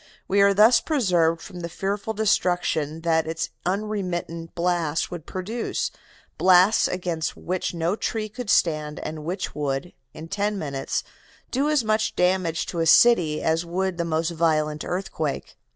We are thus preserved from the fearful destruction that its unintermittent blasts would produce, blasts against which no tree could stand and which would, in ten minutes, do as much damage to a city as would the most violent earthquake.